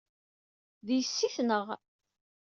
D yessi-tneɣ.